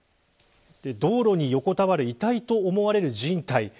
道路に横たわる遺体と思われる人体。